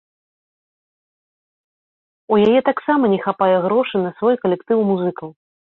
У яе таксама не хапае грошай на свой калектыў музыкаў.